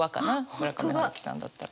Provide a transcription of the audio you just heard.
村上春樹さんだったら。